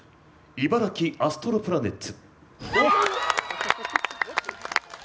茨城アストロプラネッツ